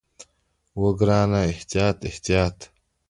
وه ګرانه احتياط احتياط.